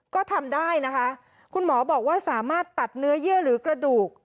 ก็ทำได้นะคะคุณหมอบอกว่าสามารถตัดเนื้อเยื่อหรือกระดูก